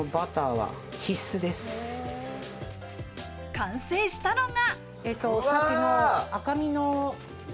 完成したのが。